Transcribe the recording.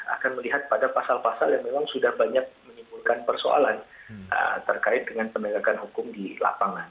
akan melihat pada pasal pasal yang memang sudah banyak menimbulkan persoalan terkait dengan penegakan hukum di lapangan